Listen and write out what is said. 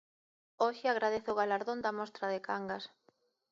Hoxe agradece o galardón da Mostra de Cangas.